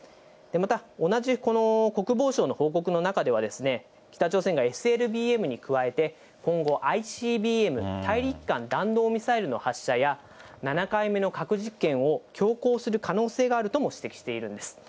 また同じ国防省の報告の中では、北朝鮮がＳＬＢＭに加えて、今後、ＩＣＢＭ・大陸間弾道ミサイルの発射や、７回目の核実験を強行する可能性があるとも指摘しているんです。